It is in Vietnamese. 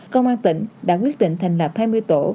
công an tỉnh đã quyết định thành lập hai mươi tổ